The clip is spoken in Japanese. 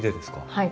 はい。